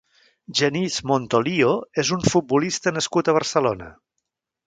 Genís Montolio és un futbolista nascut a Barcelona.